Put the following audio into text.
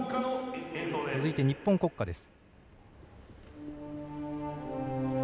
続いて日本国歌です。